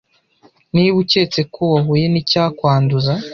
Niba ucyetse ko wahuye n’icyakwanduza